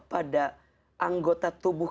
pada anggota tubuh